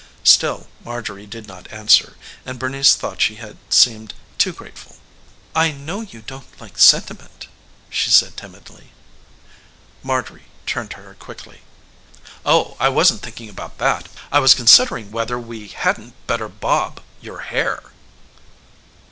Still Marjorie did not answer, and Bernice thought she had seemed too grateful. "I know you don't like sentiment," she said timidly. Marjorie turned to her quickly. "Oh, I wasn't thinking about that. I was considering whether we hadn't better bob your hair."